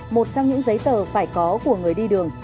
một trong những giấy tờ phải có của người đi đường